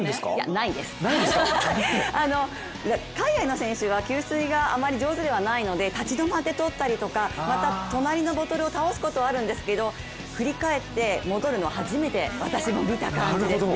ないです、海外の選手は給水があまり上手ではないので立ち止まって取ったりとかまた、隣のボトルを倒すことあるんですけれども振り返って戻るのは初めて私も見た感じですね。